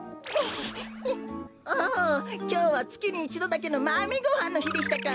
おおきょうはつきに１どだけのマメごはんのひでしたか。